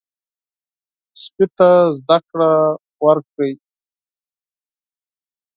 سپي ته زده کړه ورکړئ.